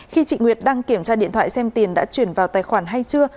khi chị nguyệt đang kiểm tra điện thoại xem tiền đã chuyển vào tài khoản hay chưa